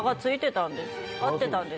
光ってたんです。